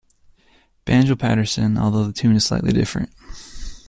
"Banjo" Paterson, although the tune is slightly different.